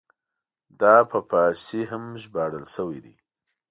دا په فارسي هم ژباړل شوی دی.